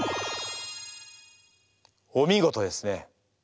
お見事ですね。